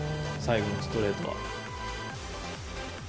最後のストレートは。